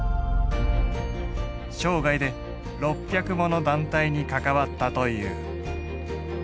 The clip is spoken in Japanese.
生涯で６００もの団体に関わったという。